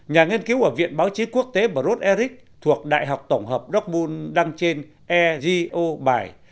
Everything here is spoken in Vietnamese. nhà nghiên cứu ở viện báo chí quốc tế brod erich thuộc đại học tổng hợp dortmund đăng trên ego bài